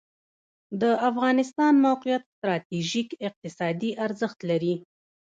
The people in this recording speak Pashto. د افغانستان موقعیت ستراتیژیک اقتصادي ارزښت لري